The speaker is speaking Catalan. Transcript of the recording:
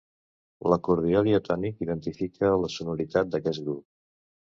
L'acordió diatònic identifica la sonoritat d'aquest grup.